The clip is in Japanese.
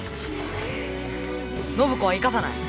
暢子は行かさない。